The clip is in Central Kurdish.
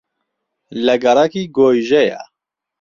لە گەڕەکی گۆیژەیە